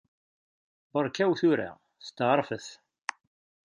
Beṛkaw tura! Setɛerfet!